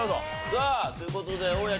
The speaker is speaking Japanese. さあという事で大家ちゃん。